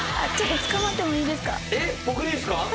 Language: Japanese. ちょっとつかまってもいいですか？